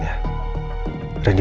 pilih di kantor quebanden